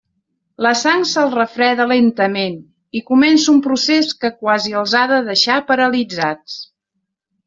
La sang se'ls refreda lentament i comença un procés que quasi els ha de deixar paralitzats.